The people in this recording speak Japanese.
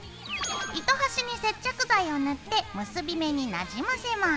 糸端に接着剤を塗って結び目になじませます。